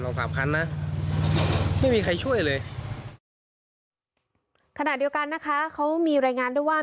สามคันนะไม่มีใครช่วยเลยขณะเดียวกันนะคะเขามีรายงานด้วยว่า